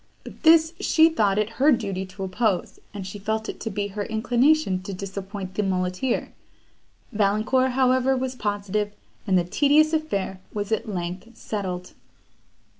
But this she thought it her duty to oppose, and she felt it to be her inclination to disappoint the muleteer. Valancourt, however, was positive, and the tedious affair was at length settled.